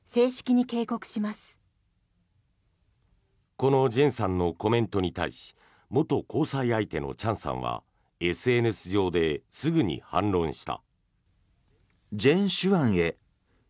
このジェンさんのコメントに対し元交際相手のチャンさんはＳＮＳ上ですぐに反論した。